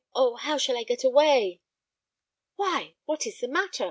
Oh! how shall I get away?" "Why, what is the matter?"